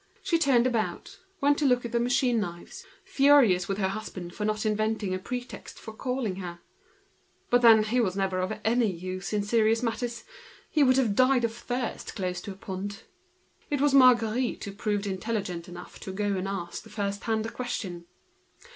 She stamped about, went to look at the knives, furious with her husband for not inventing a pretext for calling her; but he was never any good for serious matters, he would have died of thirst close to a pond. It was Marguerite who was intelligent enough to go and ask the first hand a question.